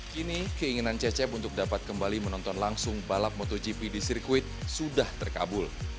kini keinginan cecep untuk dapat kembali menonton langsung balap motogp di sirkuit sudah terkabul